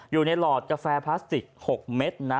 อยู่ในหลอดกาแฟพลาสติก๖เมตรนะ